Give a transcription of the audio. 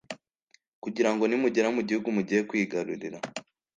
kugira ngo nimugera mu gihugu mugiye kwigarurira